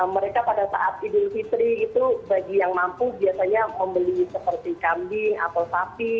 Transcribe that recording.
mereka pada saat idul fitri itu bagi yang mampu biasanya membeli seperti kambing atau sapi